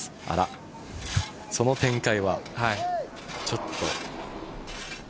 あら、その展開はちょっと。